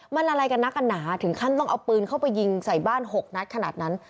มันอะไรกันนักกันหนาถึงขั้นต้องเอาปืนเข้าไปยิงใส่บ้าน๖นัดขนาดนั้น